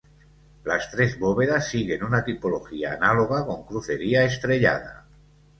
Las tres bóvedas siguen una tipología análoga con crucería estrellada.